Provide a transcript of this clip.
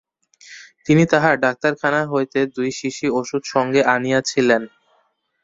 তিনি তাঁহার ডাক্তারখানা হইতে দুই শিশি ওষুধ সঙ্গে আনিয়াছিলেন।